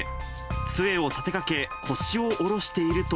つえを立てかけ、腰を下ろしていると。